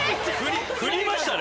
振りましたね